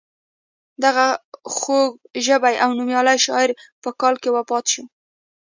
دغه خوږ ژبی او نومیالی شاعر په کال کې وفات شو.